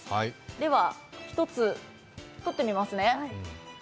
では、１つ取ってみますね。